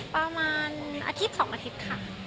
ประมาณอาทิตย์๒อาทิตย์ค่ะ